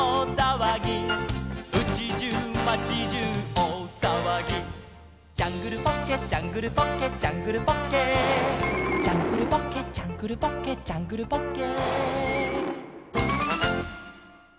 「うちじゅう町じゅうおおさわぎ」「ジャングルポッケジャングルポッケ」「ジャングルポッケ」「ジャングルポッケジャングルポッケ」「ジャングルポッケ」